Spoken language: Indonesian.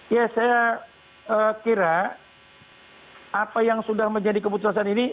ya saya kira apa yang sudah menjadi keputusan ini